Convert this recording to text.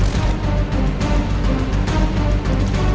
เสียเสียใครนะ